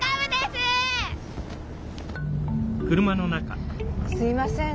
すいません。